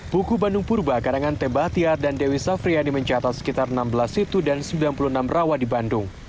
buku bandung purba karangan teba tiar dan dewi safri yang dimencatak sekitar enam belas situ dan sembilan puluh enam rawa di bandung